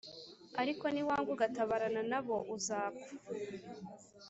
Ariko niwanga ugatabarana na bo uzapfa